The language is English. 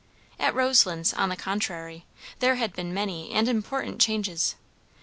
At Roselands, on the contrary, there had been many and important changes.